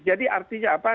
jadi artinya apa